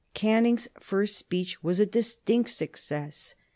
Canning's first speech was a distinct success.